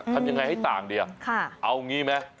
ทำอย่างไรให้ต่างดีเอาอย่างนี้ไหม